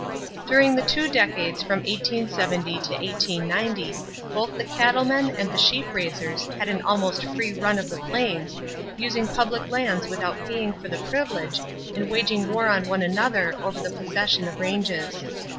During the two decades from 1870 to 1890 both the cattle men and the sheep raisers had an almost free run of the plains, using public lands without paying for the privilege and waging war on one another over the possession of ranges.